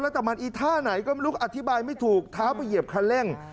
แต่มันอีท่าไหนก็ไม่รู้อธิบายไม่ถูกเท้าไปเหยียบคันเร่ง